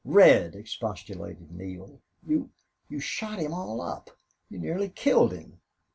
"Red!..." expostulated Neale. "You you shot him all up! You nearly killed him."